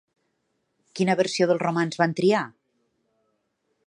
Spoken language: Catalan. Quina versió del romanç van triar?